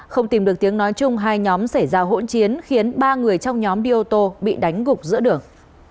không tìm được tiếng nói chung hai nhóm xảy ra hỗn chiến khiến ba người trong nhóm đi ô tô bị đánh gục giữa đường